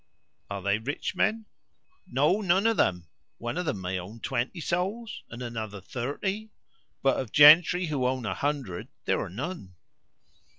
"Are they rich men?" "No, none of them. One of them may own twenty souls, and another thirty, but of gentry who own a hundred there are none."